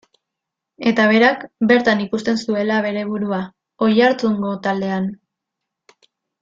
Eta berak, bertan ikusten zuela bere burua, Oiartzungo taldean.